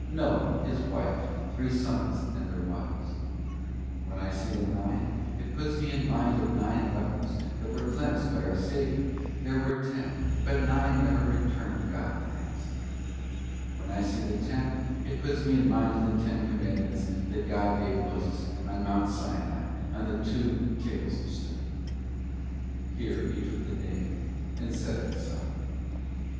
Noah, his wife, three sons, and their wives; when I see the nine, it puts me in mind of nine lepers that were cleansed by our Saviour, there were ten, but nine never returned God thanks; when I see the ten, it puts me in mind of the ten commandments that God gave Moses on Mount Sinai on the two two tables of stone. Here he took the knave and laid it aside.